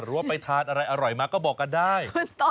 ว่าไปทานอะไรอร่อยมาก็บอกกันได้